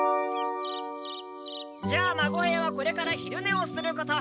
じゃあ孫兵はこれから昼ねをすること。